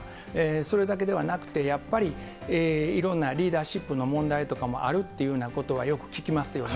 それだけではなくて、やっぱりいろんなリーダーシップの問題とかもあるっていうことはよく聞きますよね。